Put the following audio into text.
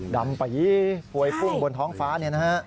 ดำไปไฟผ่วยฟุ่งบนท้องฟ้านี้นะฮะ